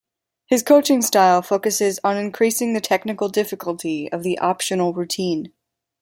His coaching style focuses on increasing the technical difficulty of the optional routine.